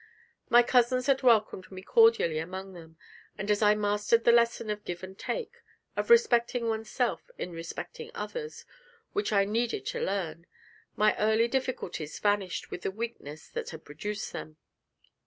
My cousins had welcomed me cordially among them, and as I mastered the lesson of give and take, of respecting one's self in respecting others, which I needed to learn, my early difficulties vanished with the weakness that had produced them.